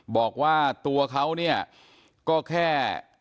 บอกว่าตัวเขาเนี่ยก็แค่